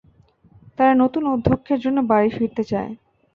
তারা নতুন অধ্যক্ষের জন্য বাড়ি ফিরে চায়।